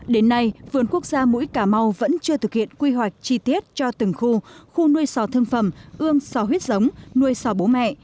đến nay vườn quốc gia mũi cà mau vẫn chưa thực hiện quy hoạch chi tiết cho từng khu khu nuôi sỏ thương phẩm ươm sỏ huyết giống nuôi sỏ bố mẹ